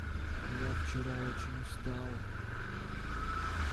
Она вчера очень устала.